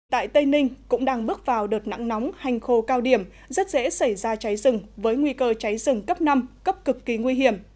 tại tây ninh cũng đang bước vào đợt nặng nóng hành khô cao điểm rất dễ xảy ra cháy rừng với nguy cơ cháy rừng cấp năm cấp cực kỳ nguy hiểm